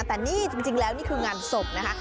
แต่นี่จริงแล้วนี่คืองานศพนะคะ